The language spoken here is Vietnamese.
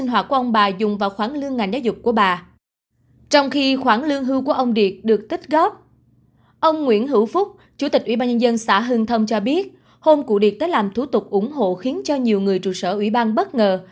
ông nguyễn hữu phúc chủ tịch ủy ban nhân dân xã hưng thâm cho biết hôm cụ điệp đã làm thủ tục ủng hộ khiến cho nhiều người trụ sở ủy ban bất ngờ